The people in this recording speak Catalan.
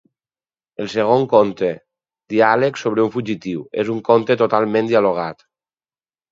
El segon conte, Diàlegs sobre un fugitiu, és un conte totalment dialogat.